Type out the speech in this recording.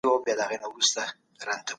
د ښار دننه صفوي سرتېرو څه غبرګون وښود؟